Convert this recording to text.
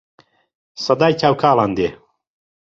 سەدای چاو کاڵان دێ